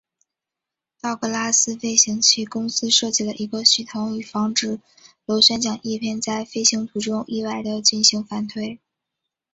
道格拉斯飞行器公司设计了一个系统以防止螺旋桨叶片在飞行途中意外地进行反推。